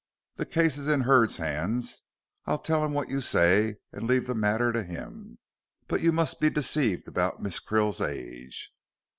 The case is in Hurd's hands. I'll tell him what you say, and leave the matter to him. But you must be deceived about Miss Krill's age."